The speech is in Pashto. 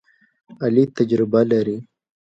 علي تجربه لري.